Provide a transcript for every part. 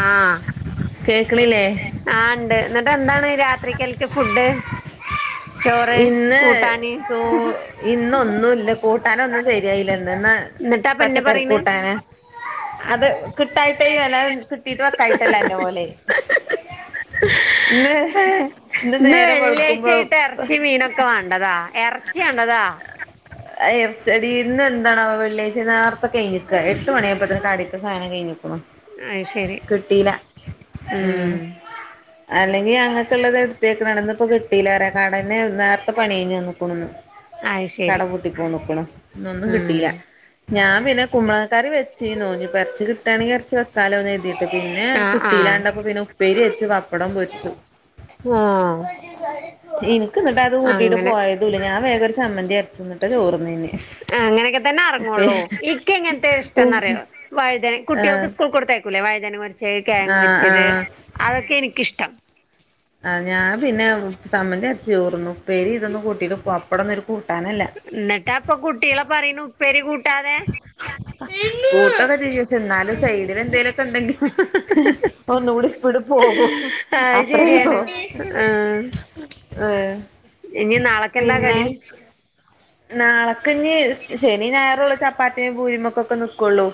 ആഹ് കേക്കണില്ലേ കേക്കുന്നില്ലേ ആഹ്, ഉണ്ട്. എന്നിട്ട് എന്താണ് രാത്രിക്കൽക്ക് ഫുഡ്? ചോറ്, ഇന്ന് കൂട്ടാന്? ചോ ഇന്നൊന്നുല്ല കൂട്ടാനൊന്നും സെരിയായില്ലന്ന് ഇന്ന് എന്നിട്ടാപ്പ ഇന്നെ പച്ചക്കറി പറയണ് കൂട്ടാന്. അത് കിട്ടായിട്ടായന്. അല്ല കിട് [unintelligible] അന്റെ പോലെ ഇന്ന് ഹ് ഹ് ഇന്ന് നേരം വെളുക്കുമ്പം ച്ചി മീനൊക്കെ വാണ്ടതാ എറച്ചി വേണ്ടതാ എർച്ചെടിന്ന് ഇന്ന് ഏന്താണ് ആവോ വെള്ളിയാഴ കഴിഞ്ഞിക്കുക എട്ട് മണിയുമ്പോഴത്തന്നെ കടത്തെ സധനം കഴിഞ്ഞിക്കുണു അയ് ശരി കിട്ടില്ല ഉം അല്ലെങ്കി അങ്ങക്ക ഉള്ളത് എടുത്തേക്കണാണെന്ന് ഇപ്പൊ കിട്ടില്ലരാ കാടന്നെ അത്ത പണി കഴിഞ്ഞാ നിൽക്കണന്ന് അയ് ശരി കട പൂട്ടിപ്പോന്നിക്കണ് ഇന്ന് ഒന്നും ഉം കിട്ടിയില്ല ഞാൻ പിന്നെ ഉപ്പുമ്മാങ്ങക്കാറി വെച്ചിനി നോനിപ ഇറച്ചി കിട്ടയാണെങ്ക ഇറച്ചി വെക്കാലോന്ന് കരുതി പിന്നെ ആഹ് ആഹ് കിട്ടിയില്ലണ്ടപ്പോ പിന്നെ ഉപ്പേരി വെച്ചു പപ്പടം പൊരിച്ചു ആഹ് എനിക്ക എന്നിട്ട് അത് കൂട്ടിട്ട് പോയതൂല്ല ഞാൻ വഗം ഒരു സമ്മന്തി അരച്ച എന്നിട്ട് ചോർന്നീന്നെ അങ്ങനൊക്കെ തന്നെ ഇറങ്ങോളോ ഇക്ക എങ്ങനത്തെ ഇഷ്ടം എന്ന് അറിയോ വഴുതനെ ആഹ് കുട്ടികൾക്ക് സ്കൂൾ കൊടുത്തേ ക്കൂല വൈദന പൊരിച്ചേ കേങ്ങ് ആഹ് പൊരിച്ചത് ആഹ് അതൊക്കെ എനിക്കിഷ്ടം ആഹ് ഞാൻ പിന്നെ സമ്മന്തി അരച്ച് ചോർന്നും, ഉപ്പേരി ഇതൊന്നും കൂട്ടിട്ട് പപ്പടൊന്നും ഒരു കൂട്ടാനല്ല എന്നിട്ടാ അപ്പൊ കുട്ടികളെ പറയുണു ഉപ്പേരി കൂട്ടാതെ കൂട്ടൊക്കെ ചെയ്യും പക്ഷെ എന്നാലും സൈഡിൽ എന്തേലുഒക്കെ ഉണ്ടെങ്കിൽ ഒന്ന് കൂടെ സ്പീഡ് പോകും അത് അത്രയേ ഉള്ളൂ ശരിയാണ് ആഹ് അയെ ഇനി നാളെക്കെന്താ പിന്നെ കടി നാളക്ക്ഞ് ശനി ഞായറുള്ളൂ ചപ്പാത്തി പൂരിമൊക്ക നിക്കുള്ളൂ.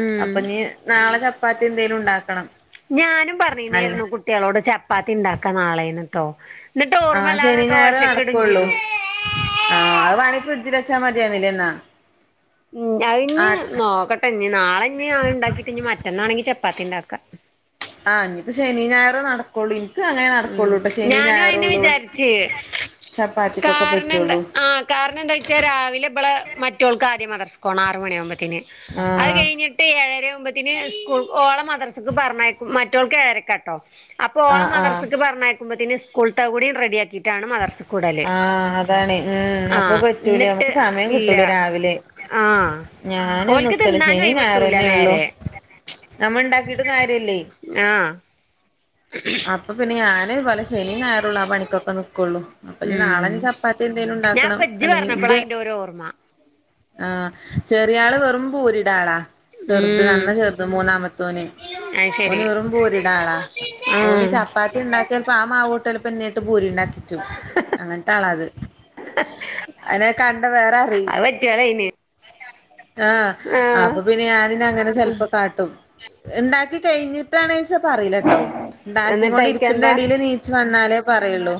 ഉം അപ്പൊ നീ നാളെ ചപ്പാത്തി എന്തേലും ഉണ്ടാക്കണം ഞാനും അല്ല പറഞ്ഞീന്നായിരുന്നു കുട്ടികളോട് ചപ്പാത്തി ഉണ്ടാക്കാ നാളേന്ന് ട്ടോ എന്നിട്ട് ആഹ് ഓർമ്മയില്ലാതെ ശനി ഞായറേ ദോശക്ക്ടും നടക്കുള്ളൂ ചെയ്തു ആഹ് അത് വേണേ ഫ്രിഡ്ജിൽ വച്ചാ മതിയായിരുന്നില്ലേ എന്നാ ഉം അതിഞ്ഞ് ആഹ് നോക്കട്ടെ ഇഞ് നാളെഞ് ആ ഉണ്ടാക്കിട്ട് ഇഞ്ഞ് മറ്റന്നാണെങ്കി ചപ്പാത്തി ഉണ്ടാക്ക ആഹ് ഇനിയിപ്പോ ശനി ഞായറ് നടക്കുള്ളൂ ഇനിക്ക് അങ്ങനെ ഉം നടക്കള്ളൂ ട്ട ശനി ഞാനും അയന്നെ ഞായറ്ള്ളൂ വിചാരിച്ച് ചപ്പാത്തിക്കൊക്ക പറ്റ്ള്ളൂ കാർണം എന്താ ചൊയിച്ചാല് രാവില ഇബളെ മറ്റോൾക്ക് ആദ്യം മദർസ്ക്കോണം ആറ് മണി ആവുമ്പോത്തേന് അത് ആഹ് കഴിഞ്ഞി ട്ട് ഏഴര ആവുമ്പത്തിന് സ്കൂൾ ഓള മദർസക്ക് പർഞ്ഞയക്കും മറ്റോൾക്ക് ഏഴരക്ക ട്ടോ അപ്പൊ ഓള ആഹ് ആഹ് മദർസ്ക്ക് പറഞ്ഞയക്കുമ്പോത്ത്ന് സ്കൂൾത്തെ കൂടി റെഡിയാക്കിയിറ്റാണ് മദർസ് ആഹ് അതാണ് ഉം അപ്പൊ ആഹ് പറ്റൂലേ എന്നിട്ട് നമുക്ക് സമയം ഇല്ല കിട്ടൂലേ രാവിലെ ആഹ് ഞാന് ഓൽക്ക് നിക്കൂല തിന്നാനും ശനി ഒഴിവിട്ടൂല ഞായറന്നെ ഉള്ളു നേരെ നമ്മ ഉണ്ടാക്കീട്ടും കാര്യല്ലേ ആഹ് അപ്പൊ പിന്നെ ഞാന് പോല ശനിം ഞായറുള്ളൂ ആ പണിക്കൊക്കെ ന്ക്കുള്ളൂ അപ്പ ഇയ്യ് ഉം നാളൻ ചപ്പാത്തി എന്തേലും ഞാൻ ഉണ്ടാക്കണം ഇപ്പ ഇജ്ജ് അല്ലെങ്കിൽ പറഞ്ഞപ്പളാ ഇന്റെ അയിന്റെ ഒരു ഓർമ്മ ആഹ് ചെറിയ ആള് വെറും പൂരിട ആളാ ചെറുത് ഉം നന്ന ചെറുത് മൂന്നാമത്തോന് അത് ശരി ഒന്ന് വെറും മ്പൂരിടാളാ ഓന് ഉം ചപ്പാത് ത്തി ഉണ്ടാക്കിയപ്പപ്പോ ആ മാവോട്ടല് പിന്നേട്ട് ഭൂരി ഇണ്ടാക്കിച്ചു അങ്ങനത്താലാത് അതിനെ കണ്ട വേററി അത് പറ്റിയോളേനി ആഹ് ആഹ് അപ്പൊ പിന്നെ ഞാനിന അങ്ങനെ ചൽപ്പൊക്ക കാട്ടും ഇണ്ടാക്കി കഴിഞ്ഞ് ട്ടാണേച്ച പറയിലട്ടോ ഇണ്ടാക്കി എന്നിട്ട് കൊണ്ട് ഇരിക്കുന്ന അയിക്കെന്താ ഇടയിൽ നീച്ചു വന്നാലേ പറയുള്ളൂ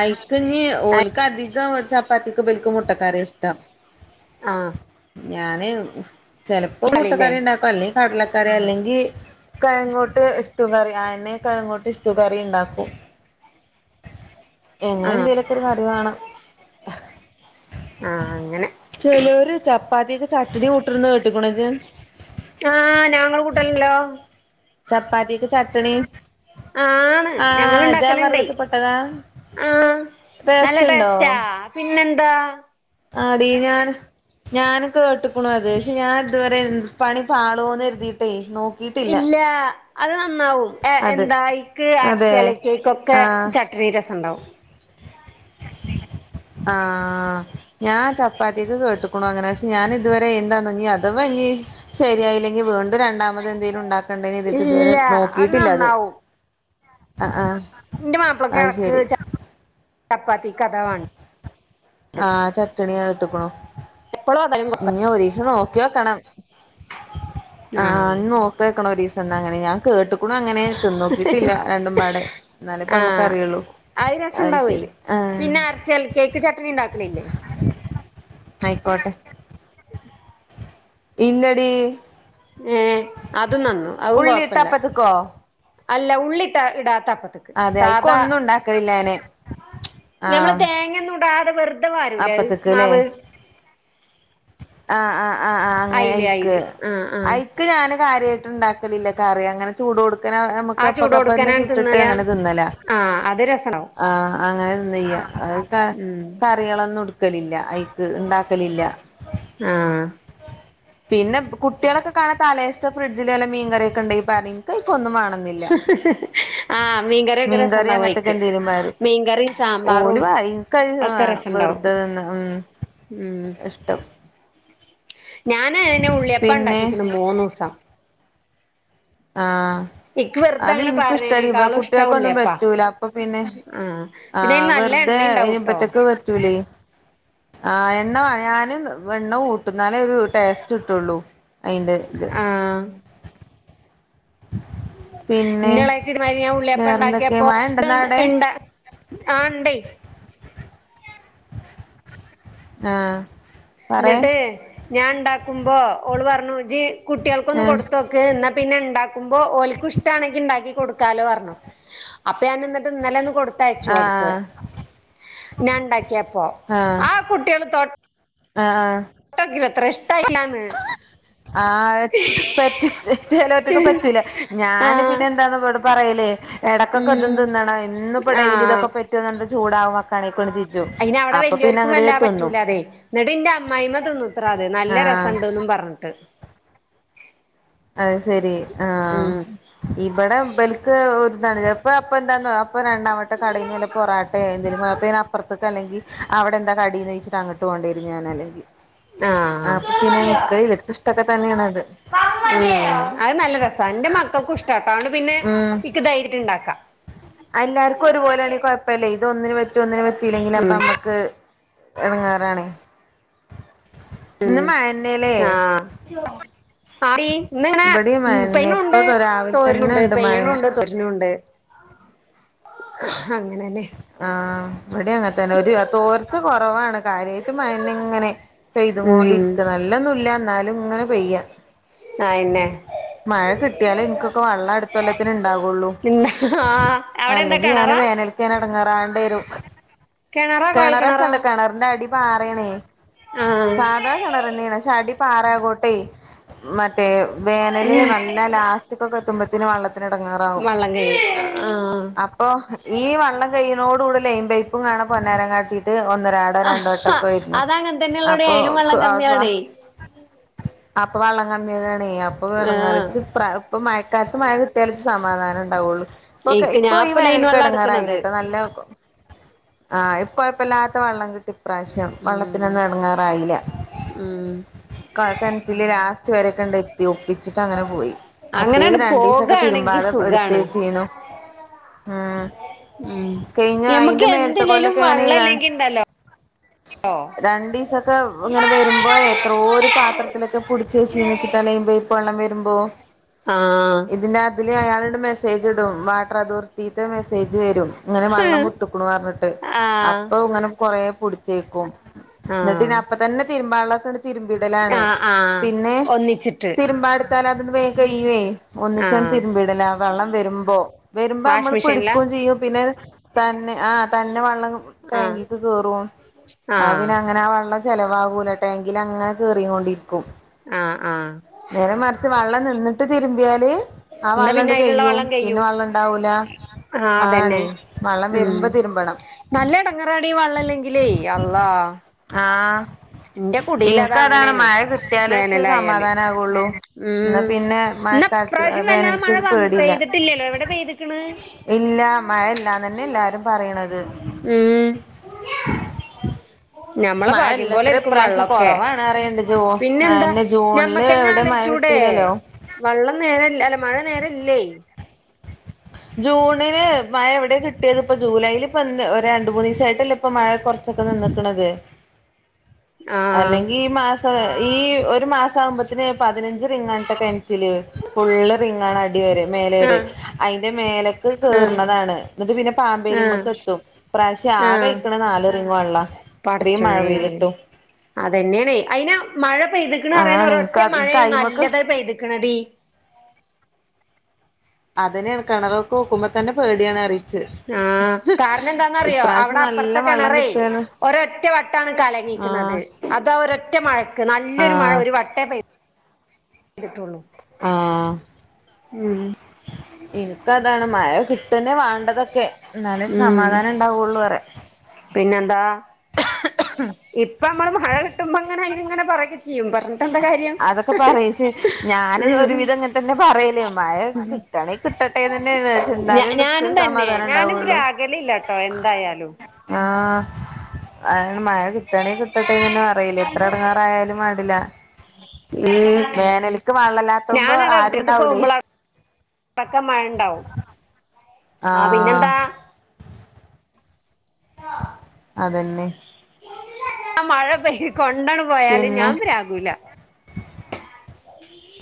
ആൽക്ക്ഞ്ഞ് ഓൽക്ക് അധികം ചപ്പാത്തിക്ക് ഇബൽക്ക് മുട്ടക്കറിയ ഇഷ്ടം ആഹ് ഞാന് ചെലപ്പോ കളില്ലേ മുട്ടക്കറി ഇണ്ടാക്കും അല്ലെങ് കടലക്കറി അല്ലെങ്കി കഴങ്ങോട്ട് ഇഷ്ട്ടു കറി ആയനെ കഴങ്ങോട്ട് ഇഷ്ട്ടു കറി ഇണ്ടാക്കും എങ്ങനെ ആഹ് എന്തേലൊക്കെ ഒരു കറി വാണം ആഹ് അങ്ങനെ ചെലോര് ചപ്പാത്തിക്ക് ചട്ട്ണി കുട്ട്ണ്ന്ന് കേട്ട്ക്കണോ ഇജ്ജ് ആഹ് ഞാങ്ങള് കൂട്ടൺല്ലോ ചപ്പാത്തിക്ക് ചട്ട്ണി ആഹ് ആണ് ഞങ്ങള്ണ്ടാക്കല്ണ്ടേയ് വർഗത്തിൽ പെട്ടതാ ആഹ് നല്ല ടേസ്റ്റ് ഉണ്ടോ ടെസ്റ്റാ പിന്നെന്താ ആടീ ഞാന് ഞാനുംകേട്ട്ക്ക്ണു അത് ക്ഷെ ഞാൻ ഇത് വരെ പണി പാളോന്നെര്തീട്ടെ നോക് ഇല്ല അത് നന്നാവും എഹ് അത് എന്താ അയ്ക്ക് അതെ അരച്ചലക്കിക്കൊക്കെ ആഹ് ചട്ട് രി രസണ്ടാവും. ആഹ് ഞാൻ ചപ്പാത്തിക്ക് കേട്ട്ക്ക്ണു അങ്ങനെ ക്ഷെ ഞാനിത് ഇത് വരെ എന്താന്നോ ഇഞ്ഞി അഥവാഞ്ഞി ശെരിയായില്ലെങ്കി വീണ്ടും രണ്ടാമത് എന്തേലും ഇണ്ടാക് ക്കണ്ടെന്നെയ്ത്ട്ട് ഇത് വരെ ഇല്ല നോക്കിയിട്ടില്ല അത് നന്നാവും ആഹ് ആഹ്. ഇന്റെ അത് മാപ്പിളക്കെളക്ക് ശരി ചപ്പാത്തിക്കതാ വാണ് ആഹ് ചട്ട്ണി ഏട്ട്ക്ക്ണു എപ്പളും അതായാലും കൊഴപ്പ ഇഞ്ഞി ഒരീസം നോക്കിയോക്കണം. ആഹ് ന്നോക്യോക്ക്ണൊരീസം ന്നഅങ്ങനെ ഞാൻ കേട്ട്ക് ക്കുണു അങ്ങനെ തിന്നോക്കിട്ടില്ല രണ്ടും പാടെ ഇന്നാലെ ഇപ്പ അമക്ക് ആഹ് അറിയൊള്ളൂ. അത് രസണ്ടാവേ അയ്ശെരി ആഹ്. പിന്നെ അരച്ചൽ കേക്ക് ചട്ടനിണ്ടാക്കലില്ലേ? അയ്ക്കോട്ടെ. ഇല്ലെടി. ഏഹ് അതും നന്നു അഉം ഉള്ളിയിട്ട് കൊഴപ്പല്ല അപ്പത്ത്ക്കോ അല്ല ഉള്ളിട്ട ഇടാത്ത അപ്പത്ത്ക്ക്. അതെ അയിക്ക് സാധാ ഒന്നും ഉണ്ടാക്കലില്ല ഞാന് നമ്മള് ആഹ് തേങ്ങോന്നും. ടാതെ വെറുതെ പാരൂല്ലെയ് അപ്പത്ത്ക്ക് ല്ലേ മാവ്. ആഹ് ആ ആഹ് ആഹ് അങ്ങനെ അയില് അയ്ക്ക് അയില് ആഹ് ആഹ് അയി ക്ക് ഞാന് കാര്യായിട്ട്ണ്ടാക്കലില്ല കറി അങ്ങനെ ചൂടോട്ക്കന്നെ എഹ് മ്. ആ അമക്ക് അപ്പക്കപ്പെന്നെ ചൂടോട്ക്കനാണ്ട് ചുട്ട്ട്ട് തിന്നയാ അങ്ങനെ തിന്നലെ. ആഹ് അത് രസണ്ടാവും ആഹ് അങ്ങനെതിന്നെയ്യാ അയ്. എഹ് ഉം കറികളൊന്നും ഇട്ക്കലില്ല അയ്ക്ക് ഇണ്ടാക്കലില്ല. ആഹ് പിന്നെ കുട്ട്യാളൊക്കെ കാണാ തലേസ്ത്തെ ഫ്രഡ്ജില് വല്ല മീൻ കറിയൊക്കെണ്ടെങ്കി പറിം. അയ്ക്കൊന്നും വാണംന്നില്ല ആഹ് മീൻകറിയൊക്കെ മീംകറി രസണ്ടാവും അങ്ങൻത്തൊക്കെ അയിക്ക് എന്തെലും പാരും. മീൻകറിം ഓല് സാമ്പാറും വ ഇൻക്കഹ് ഹെ ഒക്കെ രസണ്ടാവും വെറ്തെ തിന്നാ ഉം. ഉം ഇഷ്ടം ഞാന് നെ പിന്നെ ഉള്ളിയപ്പണ്ടാക്കിക്ക്ണ് മൂന്നൊസം. ആഹ് ഇക്ക് വെറുതെ അത് അങ്ങനെ ഇൻക്ക് ഇഷ്ടടി പ്പ പാരണേനേക്കാളും ഇഷ്ടം കുട്ട്യാക്കൊന്നും ഉള്ളിയപ്പാ പറ്റൂല അപ്പൊ പിന്നെ. ആഹ് പിന്നെ അയിന് ആഹ് നല്ല വെറുതെ എണ്ണ അയ്‌ന് ഉണ്ടാവുട്ടോ നിമ്പറ്റക്ക് പറ്റൂലേയ്. ആഹ് എണ്ണവ ഞാനും എണ്ണ കൂട്ടും ന്നാലേരു ടേസ്റ്റ്ട്ടോള്ളൂ. അയ്ൻ്റെര്ത്ത്. ആഹ് പിന്നെ ഇന്റെ എളച്ചിത് മാരി ഞാൻ വേറെന്തൊക്കെ മഴ ഉണ്ടെന്നാ ഉള്ളിയപ്പംണ്ടാക്കിയപ്പോഇതോന്ന് അവിടെ ഇണ്ട ആഹ് ഇണ്ടേയ്. ആഹ്. പറേ ന്ന്ട്ട് ഞാണ്ടാക്കുമ്പോ ഓള് പർഞ്ഞുജ്ജ്‌ കുട്ടിയാൾക്കൊന്ന് ആഹ് കൊട്ത്തൊ. ക്ക് ഇന്നാ പിന്നെണ്ടാക്കുമ്പോ ഓൽക്കുഷ്ട്ടാണെങ്കി ഇണ്ടാക്കി കൊട്ക്കാലോ പർഞ്ഞു. അപ്പൊ ഞാനിന്ന്ട്ട് ഇന്നലൊന്ന് കൊട്ത്. തെയച്ച്കൊടുക്ക് ആഹ് ഞാണ്ടക്കിയപ്പോ ആ കുട്ട്യാള് തൊട്ട് ആഹ് ആഹ്. ട്ടൊക്കിലത്രെ ഇഷ്ട്ടായിട്ട്ല്ലാന്ന്. ആഹ് പേറ്റ് ചലോറ്റൊക്ക് പറ്റൂല ഞാന് ആഹ് പിന്നെന്താന്ന്വ്ടെ. പറയല് എടക്കൊക്കെ ഇതും ഉം തിന്നണം എന്നുപ്പൊ ഡെയിലി ആഹ് ഇതൊക്കെ പറ്റോ ന്ന്ർഞ്ഞിട്ട് ചൂടാവുംമക്ക തണിക്കൊന്ന് ചിജും അയിന് അപ്പൊ പിന്നെ അങ്ങട്ത് ന്നും. ന്ന്ട്ട് ഇന്റെ അമ്മായിമ തിന്നൂത്രെ അത് നല്ല ആഹ് രസണ്ട്ന്നും പറഞ്ഞ്ട്ട്. അയ്സെരി ആഹ്. ഉം ഇമ്പടെ ബെൽക്ക് ഒര്താണ്ചെൽപോ അപ്പൊ എന്താന്നൊ അപ്പൊ രണ്ടാവെട്ടം കടീന്ന് വല്ലപ് പൊറാട്ടേ എന്തെലും [unintelligible] അപ്പറത്ത്ക് അല്ലെങ്കി അവടെന്താ കടീന്ന് ചോദിച്ചിട്ട് അങ്ങട്ട് കൊണ്ടേരും ഞാന അല്ലെങ്കി ആഹ് ഇതക്കെ തന്നെയാണത് ഉം അത് നല്ല രസാ ഇന്റ മക്കൾക്കും ഇഷ്ടട്ടോ അതോണ്ട് പിന്നെ ഉം ഇക്ക് ധൈര്യാട്ടുണ്ടാക്കാം എല്ലാർക്കും ഒരുപോലെണേ കൊഴപ്പഇല്ല ഇത് ഒന്നിന് പറ്റും ഒന്നിന് പറ്റീല്ലെങ്കില് അപ്പൊ ഉം നമ്മക്ക് എടങ്ങാറാണേ ഇന്ന് ഉം മഴന്നെല്ലേ ആഹ് ആടീ ഇന്നിങ്ങനെ ഇവടേം മഴന്നേ ഇപ്പ രാവിലെ തന്നെ ഇണ്ട് മഴേന്ന [unintelligible] ഒണ്ട് അങ്ങനന്നെ ആഹ് ഇവടെങ്ങന തന്നെ ഒരു തോർച്ച കൊറവാണ് കാര്യായിട്ട് മഴന്നേ ഇങ്ങനെ ഉം പെയ്തോണ്ടിരിക്ക്‌ നല്ലൊന്നുംല്ല എന്നാലും ഇങ്ങനെ പെയ്യാ ആയ്ന്നെ മഴ കിട്ടിയാലേ എനിക്കൊക്ക വെള്ളം അടുത്ത കൊല്ലത്തിന് ഉണ്ടാവുള്ളൂ ആഹ് അവിടെ എന്താ അല്ലെങ്കി ഞാന് കെണറാ വേനല്ക്ക്‌ ഞാൻ എടങ്ങാറാകേണ്ടി വരും കെണറാ കൊഴൽ കെണറാ കെണറെക്കണ്ട് കെണറിന്റ അടി പാറയാണേ ആഹ് സാധാ കെണർന്നെയാണ് ക്ഷെ അടി പാറ ആകോട്ടെ മറ്റേ വേനല് ഉം നല്ല ലാസ്റ്റക്കക്കെത്തുമ്പത്തിന് വെള്ളത്തിന് എടങ്ങേറാ വെള്ളം [unintelligible] ആഹ് ഇപ്പൊ ഈ വള്ളം കൈയനോട് കൂടലെ ലൈൻ പൈപ്പും കാണാ പൊന്നാരം കാട്ടീട്ട് ഒന്നരാ രണ്ട് ആഹ് വട്ടോക്ക ഇര്ന്നു അതങ്ങൻ തന്നെയള്ളോടെ അപ്പൊ അയിലും വെള്ളം കമ്മിയാണേ [unintelligible] അപ്പൊ വള്ളം കങ്ങിയതാണേ അപ്പൊ എടങ്ങേർ ആഹ് ഇച്ച് [unintelligible] ഇപ്പം മഴക്കാലത്ത് മഴ കിട്ടിയാലെ സമാധാനം ഇണ്ടാവുള്ളു ഇപ്പൊ എനിക്ക് ഇപ്പൊ ഈ ഞാൻപ്പ ലൈൻ വേനൽക്ക് വെള്ളം എടങ്ങാറായില്ല എടുക്കണത് കേട്ടോ നല്ല ആഹ് ഇ കൊഴപ്പല്ലാത്ത വെള്ളം കിട്ടി ഇപ്രാവശ്യം ഉം വെള്ളത്തിനൊന്നും എടങ്ങാറായില്ല ഉം കൊഴൽ കെണറ്റില് ലാസ് സ്റ്റ് വരെക്കൊണ്ട് എത്തി ഒപ്പിച്ചിട്ട്ങ്ങനാ പോയി മറ്റേത് അങ്ങനെയണ്ട് രണ്ടു ദിവസോക്ക പോകാണെങ്കി തിരുമ്പാത എടുത്ത് സുഖാണ് വെച്ചീന് ഉം ഉം കഴിഞ്ഞ അയിന്റ ഞമ്മക്ക് മേലത്ത എന്തില്ലേലും കൊല്ലൊക്കെ. വള്ളം ഇല്ലെങ്കി ഇണ്ടല്ലോ [unintelligible] രണ്ടീസ ക്ക ഇങ്ങന വരുമ്പോ എത്രോ ഒരു പാത്രത്തിലൊക്കെ പുടി ചേച്ചിന്ന് [unintelligible] [unintelligible] വെള്ളം വരുമ്പോ ആഹ് ഇതിൻ്റെതില് അയാള്ടെ മെസ്സേജ് ഇടും വാട്ടർ അതോറിറ്റീത്തെ മെസ്സേജ് വരും ഇങ്ങന വെള്ളം ആഹ് മുട്ടൂക്കണൂന്നു പറഞ്ഞിട്ട് ആഹ് അപ്പൊ ഇങ്ങനെ കൊറേ പിടിച്ചേക്കും എന്നിട്ട് പിന്ന അപ്പ തന്നെ തിരുമ്പാള്ളേക്കണ്ട് തിരുമ്പിടലാണ് ആഹ് ആഹ് പിന്നെ ഒന്നിച്ചിട്ട് തിരുമ്പാനെടുത്താൽ അതന്ന് വേഗം കഴിയേ ഒന്നിച്ചണ്ട് ആഹ് തിരുമ്പീടലാ വെള്ളം വരുമ്പോ വരുമ്പ വാഷ് നമ്മള് മെഷീനിലാ പിടിക്കുകയും ചെയ്യും പിന്നെ തന്നെ ആഹ് തന്നെ വെള്ളം ആഹ് ടാങ്കീക്ക് കേറും ആഹ് പിന്നെ അങ്ങനെ ആ വെള്ളം ചെലവാകൂല ടാങ്കില് അങ്ങനെ കേറീം കൊണ്ടിരിക്കും ആഹ് ആഹ് നേരെ മറിച്ച് വെള്ളം നിന്നിട്ട് തിരുമ്പിയാല് ആഹ് എന്നാ പിന്നെ വെള്ളംഈണ്ട് അയിലുള്ള കയ്യും വെള്ളം പിന്നെ വെള്ളം ഇണ്ടാവൂല ആഹ് അതന്നെ ആണേ വെള്ളം ഉം വരുമ്പോ തിരുമ്പണം നല്ല എടങ്ങേറാണി വെള്ളല്ലെങ്കിലേ അള്ളാ ആഹ് എന്റെ കുടിലതാ എനക്ക് അതാണ് അങ്ങനെയാണ് മഴ കിട്ടിയാലേ ഇച്ചിരി വേനലായാല് സമാധാന ആകുള്ളൂ ഉം എന്നാ പിന്നെ ഇന്ന മഴക്കാലത്ത് ഇപ്രാവശ്യം വല്ലാ വേനൽക്ക് മഴ വ പേടില്ല പെയ്തിട്ടില്ലല്ലോ എവിടെ പെയ്തിക്കണ് ഇല്ലാ മഴ ഇല്ലാന്ന് തന്നെ എല്ലാരും പറയണത് ഉം ഞമ്മള് ഭാ മഴ ഗ്യം. ഇല്ലത്ര പോലെരിക്കും ഇപ്രാവശ്യം വെള്ളോക്കെ കൊറവാണ് അറിയണ്ട് ജൂ പിന്നെന്താ അയെന്നെ ജൂണില് ഞമ്മക്ക്ന്നെ എവിടെ മഴ ആലോചിച്ചൂടേ കിട്ടീലല്ലോ വള്ളം നേരെ ഇല്ല അല്ല മഴ നേരെ ഇല്ലേ ജൂണില് മഴ എവിടെ കിട്ടിയത് ഇപ്പൊ ജൂലൈല് ഇപ്പ രണ്ട് മൂന്ന് ദിവസായിട്ടല്ലേ ഇപ്പൊ മഴ കുറച്ചൊക്കെ നിന്നുക്ക്ണു അ [inaudible] അല്ലെങ്കി ഈ മാസ ഈ ഒരു മാസം ആകുമ്പത്തന് പതിനഞ്ച് റിങ്ങ് ആണ് ട്ടാ കെനറ്റില് ഫുള് റിങ്ങാണ് വരെ മേലെ വരെ ആഹ് അതിന്റെ മേലക്ക് ആഹ് കേറുന്നതാണ് എന്നിട്ട് പിന്നെ ആഹ് പാമ്പേരിമ്മക്ക് എത്തും ഈ പ്രാവശ്യം ആകെ ആഹ് കിട്ടണത് നാല് റിങ്ങ് വെള്ളം ഇത്രയും മഴ പെയ്തിട്ടും അത് തന്നെയണെ അയിന് മഴ പെയ്തുക്കണെ പറയുന്ന ആണ് ഒര ഒറ്റ ഇൻക്ക് ഇൻക്ക് മഴയാണ് അയിമക്ക് നല്ലതായി പെയ്തുക്കണ്തേ അത് തന്നെ കെണറുക്ക് നോക്കുമ്പോൾ തന്നെ പേടിയാണ് അറിയ ആഹ് കാരണം എന്താന്നറിയോ ഇപ്രാവശ്യം അവിടെ നല്ല അപ്പുറത്തെ വെള്ളം കിണറേ കിട്ടുവല്ലോ ഒരൊറ്റ വട്ട ട്ടാണ് കലങ്ങിക്കണത് ആഹ് അതൊ ഒരൊറ്റ മഴക്ക് നല്ലൊരു മഴ ആഹ് ഒരു വട്ടേ പെയ്തു ചെയ്തിട്ടുള്ളൂ ആഹ് ഉം ഇനിക്കതാണ് മഴ കിട്ടന്നെ വേണ്ടതൊക്കെ എന്നാലേ ഉം സമാധാനം ഉണ്ടാവുള്ളൂ പറയാ പിന്നെന്താ ഇപ്പൊ അമ്മള് മഴ കിട്ടുമ്പോ അങ്ങനെ ഇങ്ങനെ പറക്കെ ചെയ്യും പറഞ്ഞിട്ട് എന്താ കാര്യം അതൊക്കെ പറയിച്ചേ ഞാന് ഉം ഒരുവിധം അങ്ങനെ തന്നെ പറയല് മഴ കിട്ടാണെ കിട്ടട്ടെന്ന് തന്നെയ വിച് ഞ എന്നാലേള്ളൂ ഇച്ചി ഞാനും തന്നെ സമാധാനം ഞാനും ഉണ്ടാവുള്ളൂ രാഗലില്ലാട്ടോ എന്തായാലും ആഹ് അതാണ് മഴ കിട്ടണെ കിട്ടട്ടെന്ന് തന്നെ പറയല് എത്ര എടങ്ങേറായാലുംവേണ്ടില്ല ഉം വെള്ളല്ലാത്തുമ്പോ ആരും ഞാനതെടുത്തിട്ട് ഉണ്ടാവൂലേ പോവുമ്പോളാണ് ഇപ്പക്കെ മഴ ഉണ്ടാവും ആ ആഹ് പിന്നെന്താ അതന്നെ ആ മഴ പെയ്ത് കൊണ്ടാണ് പോയാലും പിന്നെ ഞാൻപ്രാകൂല്ല [inaudible]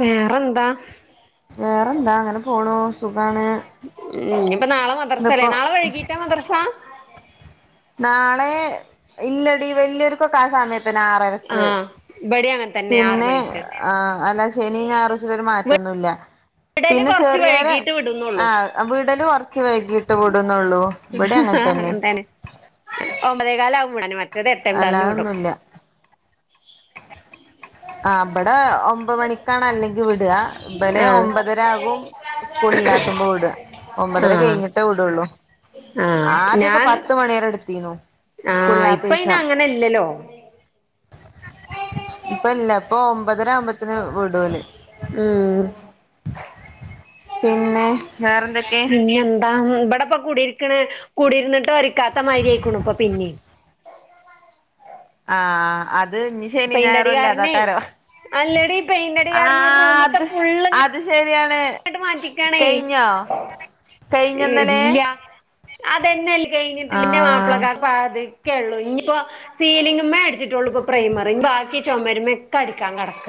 വേറെന്താ വേറെന്താ അങ്ങനെ പോണു സുഖാണ് ഉംഇനി ഇപ്പൊ നാളെ മദ്രസ അല്ലേ ഇന്നിപ്പോ നാളെ വൈകീറ്റാ മദ്രസ നാളെ ഇല്ലടി വലിയൊരുക്കൊക്കെ ആ സമയത്ത്തന്നെ ആറരക്ക് ഇബടയും അങ്ങനെ തന്നെ ആറ് പിന്നെ മണിക്ക് ആ അല്ലാ ശനി ഞായറുച്ച് ഒരു മാറ്റൊന്നുമില്ല വിടല് പിന്നെ കൊറച്ച് ചെറിയരു വൈകീട്ട് വിടുന്നുള്ളൂ ആഹ് വിടല് കുറച്ച് വൈകിട്ട് വിടുന്നുള്ളൂ ഇബിടെ അങ്ങനെ തന്നെ ഒമ്പതേ കാലാവകുമ്പോവിടും മറ്റേത് എട്ടേ കാലിന് വിടും അല്ലാതൊന്നുല്ല [inaudible] ആ ഇബടെ ഒമ്പത് മണിക്കാണ് അല്ലെങ്കി വിടുക ഇബനെ ആ ഒമ്പതരാകും സ്കൂള് ഇല്ലാത്തുമ്പോ വിടുക ആ ഒമ്പതര കഴിഞ്ഞിട്ട് വിടുള്ളു ആ ആദ്യൊക്കെ പത്ത് മണിരെ എടുത്തിന്നു ആഹ് ഇപ്പ ഇന അങ്ങനെ ഇല്ലല്ലോ ഇപ്പം ഇല്ല ഇപ്പൊ ഒമ്പതരാകുമ്പ ത്തിന് വിടുല് ഉം പിന്നെ വേറെന്തൊക്കെ പിന്നെയെ ഇ ഇവിടെപ്പ കുടിരിക്കണ കൂടിയിരുന്നിട്ട് ഒരുക്കാത്ത മാതിരിക്കണു ഇപ്പം പിന്നേ ആ അത് ഇനി ശനി പെയിന്റടി കാരനെ ഞായറല്ലാതാകാരോ അല്ലടി പെയിന്റടി ആ കാരണം ഒരു അത് അത് ശരിയാണ് ട്ട് മാറ്റിക്കാണേ കഴിഞ്ഞോ കഴിഞ്ഞൊന്നലെ ഇല്ല അതെന്നെ അല്ല കഴിഞ്ഞിട്ട്ഇല്ല ന്റെ ആഹ് മാപ്പിളക്കാ പതുക്കെയുളളൂ ഇനിയിപ്പോ സീലിങ്‌മേ അടിച്ചിട്ടുള്ളൂ ഇപ്പൊ പ്രൈമറ് ഇനി ബാക്കി ചുമരുമെ ഒക്കെ അടിക്കാൻ കിടക്ക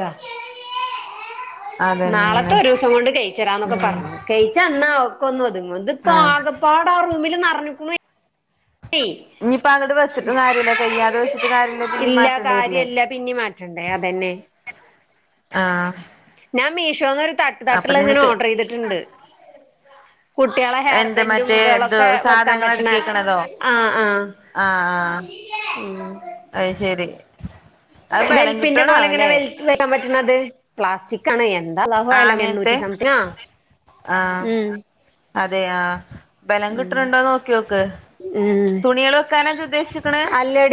നാളത്തെ അതന്നെ ഒരു ദിവസം കൊണ്ട് കയിച്ചരാന്നൊക്കെ ഉം പറഞ്ഞു കയിച്ചന്നാ ക്ക്‌ ഒന്നൊതൊങ്ങും ആഹ് ഇത്പ്പകപ്പാട് ആ റൂമിൽ നെറഞ്ഞിക്ക ഇനിയിപ്പോ അങ്ങട്ട് വെച്ചിട്ടും കാര്യല്ല കയ്യാതെ വെച്ചിട്ട് കാര്യല്ലേ പിന്നെ ഇല്ല മാറ്റേണ്ടരില്ലേ കാര്യല്ല പിന്നിം മാറ്റണ്ടേ അതന്നെ ആഹ് ഞാൻ മീഷോന്നൊരു അപ്പൊ തട്ട്തട്ടുള്ള ഇങ്ങനെ നിനക്ക് ഓർഡർ ചെയ്തിട്ടുണ്ട് കുട്ടികളെ ഹെയർ എന്ത് ബെൻറും മറ്റേ ഇത് ഇതുകളൊക്കെ വെക്കാൻ സാധനങ്ങൾ പറ്റണെ അടുക്കി വെക്കണതോ ആഹ് ആഹ് ആഹ് ആഹ് മം അത് ശെരി വെൽപ്പിന്റെ പോലെ ഇങ്ങനെ വെൽത്തുവരാൻ പറ്റുന്നത് പ്ലാസ്റ്റിക്കാണ് എന്താ ആഹ് ലാഭയാലും അങ്ങനത്തെ എണ്ണൂറ്റി സംതിങ്ങാ ആഹ് ഉം അതെ ആഹ് ബലം ഉം കിട്ടണുണ്ടോന്ന് നോക്കി നോക്ക് ഉം തുണികൾ വെക്കാനായിട്ടാ ഉദ്ദേശിക്കണെ അല്ലടി